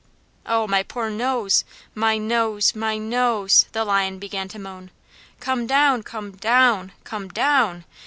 "O my poor nose, my nose, my nose!" the Lion began to moan. "Come down, come DOWN, come DOWN!